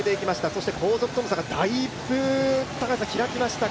そして後続との差がだいぶ開きました。